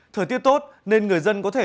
thời tiết tốt nên người dân có thể